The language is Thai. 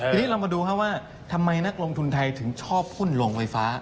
ทีนี้เรามาดูครับว่าทำไมนักลงทุนไทยถึงชอบหุ้นลงไฟฟ้า